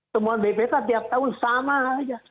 temuan bpk tiap tahun sama aja